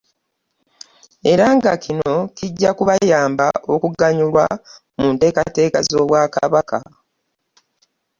Era nga kino kijja kubayamba okuganyulwa mu nteekateeka z'Obwakabaka